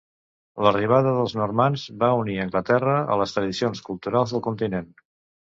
L'arribada dels normands va unir Anglaterra a les tradicions culturals del continent.